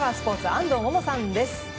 安藤萌々さんです。